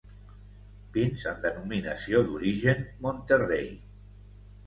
Vins amb Denominació d'Origen Monterrei.